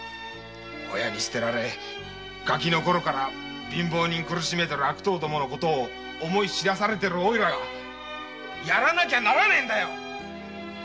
親に捨てられガキのときから貧乏人を苦しめる悪党のことを思い知らされているおいらがやらなきゃならないんだよ！